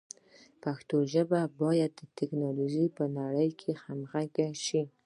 پښتو ژبه باید د ټکنالوژۍ په نړۍ کې همغږي شي.